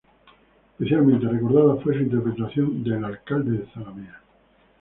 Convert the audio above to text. Especialmente recordada fue su interpretación de "El alcalde de Zalamea".